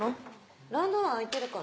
ラウンドワン開いてるかな？